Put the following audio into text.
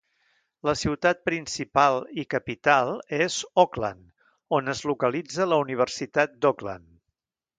La ciutat principal i capital és Auckland, on es localitza la Universitat d'Auckland.